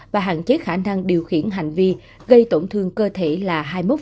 và hạn chế khả năng điều khiển hành vi gây tổn thương cơ thể là hai mươi một